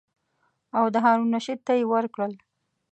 او د هارون الرشید ته یې ورکړل.